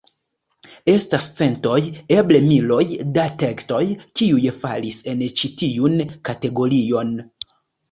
Estas centoj, eble miloj, da tekstoj, kiuj falis en ĉi tiun kategorion.